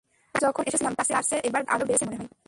আগেরবার যখন এসেছিলাম, তার চেয়ে এবার যানজট আরও বেড়েছে মনে হয়।